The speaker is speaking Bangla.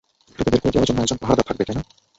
তোকে বের করে দেওয়ার জন্য একজন পাহারদার থাকবে, তাই না?